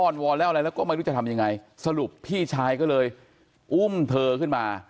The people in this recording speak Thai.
วอนแล้วอะไรแล้วก็ไม่รู้จะทำยังไงสรุปพี่ชายก็เลยอุ้มเธอขึ้นมา